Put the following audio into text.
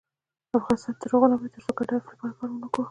افغانستان تر هغو نه ابادیږي، ترڅو د ګډ هدف لپاره کار ونکړو.